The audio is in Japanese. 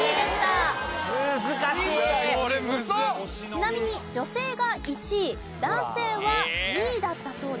ちなみに女性が１位男性は２位だったそうです。